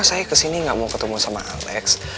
saya kesini gak mau ketemu sama alex